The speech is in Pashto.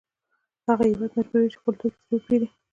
هغه هېواد مجبوروي چې خپل توکي ترې وپېري